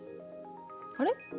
あれ？